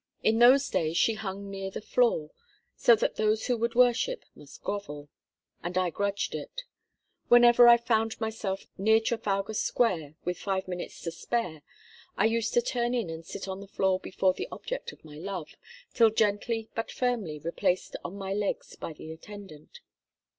In those days she hung near the floor, so that those who would worship must grovel; and little I grudged it. Whenever I found myself near Trafalgar Square with five minutes to spare I used to turn in and sit on the floor before the object of my love, till gently but firmly replaced on my legs by the attendant.